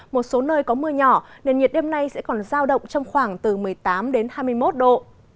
một số nơi có mưa nhỏ nên nhiệt đêm nay sẽ còn giao động trong khoảng từ một mươi tám đến hai mươi một độ